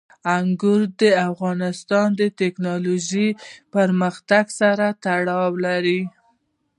انګور د افغانستان د تکنالوژۍ پرمختګ سره تړاو لري.